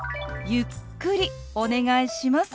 ゆっくりお願いします。